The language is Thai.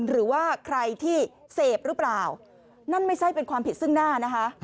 หรือว่าใครที่เสพหรือเปล่านั่นไม่ใช่เป็นความผิดซึ่งหน้านะคะ